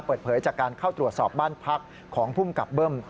เปิดเผยจากการเข้าตรวจสอบบ้านพักของภูมิกับเบิ้ม